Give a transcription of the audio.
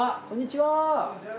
こんにちは。